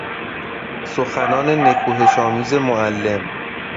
سخنان نکوهشآمیز معلم